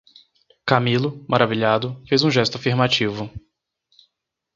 Camilo, maravilhado, fez um gesto afirmativo.